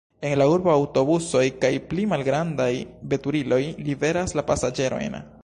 En la urbo aŭtobusoj kaj pli malgrandaj veturiloj liveras la pasaĝerojn.